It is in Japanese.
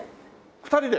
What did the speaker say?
２人で。